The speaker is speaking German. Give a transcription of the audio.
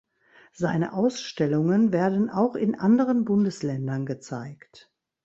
Seine Ausstellungen werden auch in anderen Bundesländern gezeigt.